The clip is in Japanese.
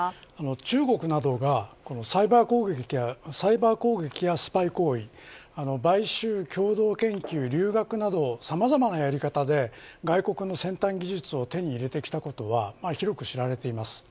中国などがサイバー攻撃やスパイ行為買収、共同研究、留学などさまざまなやり方で外国の先端技術を手に入れてきたことは広く知られています。